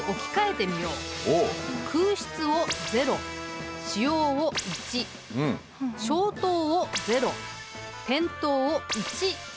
「空室」を０「使用」を１「消灯」を０「点灯」を１とする。